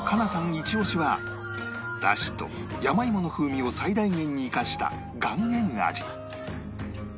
イチオシは出汁と山芋の風味を最大限に生かした岩塩味